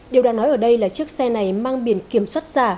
điều đang nói ở đây là chiếc xe này mang biển kiểm soát giả